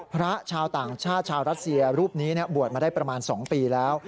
พระชาวต่างชาติชาวรัสเซียรูปนี้บวชมาได้ประมาณ๒ปีแล้ว